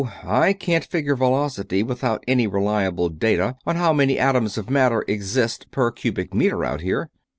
Can't figure velocity without any reliable data on how many atoms of matter exist per cubic meter out here."